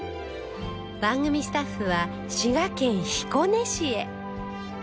番組スタッフは滋賀県彦根市へ